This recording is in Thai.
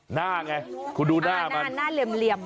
หน้าไงคุณดูหน้าหน้าเหลี่ยม